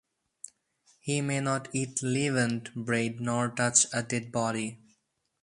He may not eat leavened bread nor touch a dead body.